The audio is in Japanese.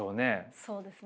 そうですね。